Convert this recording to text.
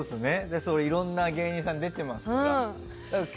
いろんな芸人さんが出てますから。